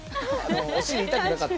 お尻痛くなかった？